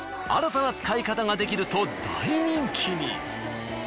新たな使い方ができると大人気に。